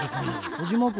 小島君